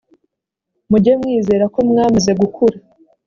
mujye mwizera ko mwamaze gukura.